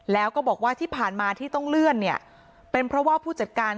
แล้วก็บอกว่าที่ผ่านมาที่ต้องเลื่อนเนี่ยเป็นเพราะว่าผู้จัดการ